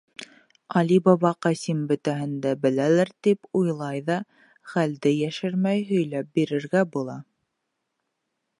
Али Баба Ҡасим бөтәһен дә беләлер тип уйлай ҙа хәлде йәшермәй һөйләп бирергә була.